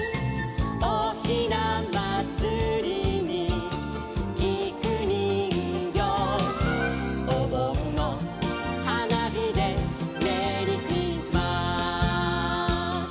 「おひなまつりにきくにんぎょう」「おぼんのはなびでメリークリスマス」